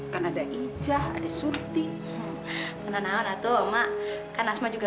kan ada ijah erectus suruti